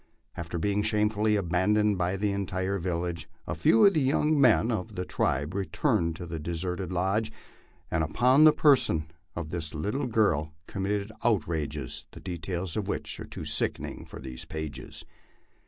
After being shamefully abandoned by the entire village, a few of the young men of the tribe returned to the deserted lodge, and upon the person of this little girl committed outrages, the details of which are too sickening for these pages.